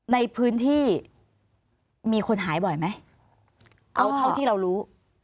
ในพื้นที่มีคนหายบ่อยไหมเอาเท่าที่เรารู้